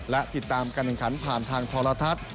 และติดตามการแข่งขันผ่านทางโทรทัศน์